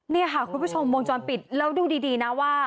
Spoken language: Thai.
นี่ค่ะคุณผู้ชมวงจรปิดแล้วดูดีนะว่า